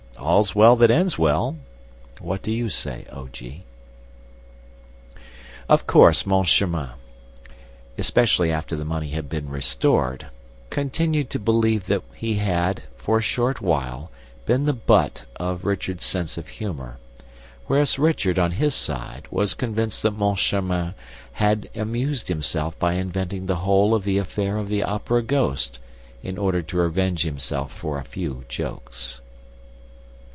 All's well that ends well. What do you say, O. G.?" Of course, Moncharmin, especially after the money had been restored, continued to believe that he had, for a short while, been the butt of Richard's sense of humor, whereas Richard, on his side, was convinced that Moncharmin had amused himself by inventing the whole of the affair of the Opera ghost, in order to revenge himself for a few jokes.